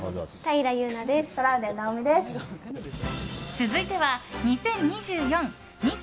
続いては、２０２４ミス